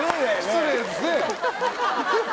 失礼ですね。